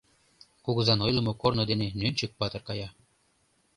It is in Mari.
Кугызан ойлымо корно дене Нӧнчык-патыр кая.